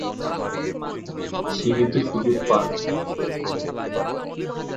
সীমিত সুযোগ পান।